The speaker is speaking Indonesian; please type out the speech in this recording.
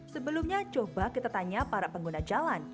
sebelumnya coba kita tanya para pengguna jalan